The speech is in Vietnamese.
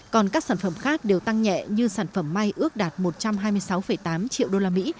còn các sản phẩm khác đều tăng nhẹ như sản phẩm may ước đạt một trăm hai mươi sáu tám triệu usd